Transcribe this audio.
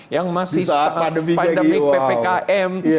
yang masih pandemi ppkm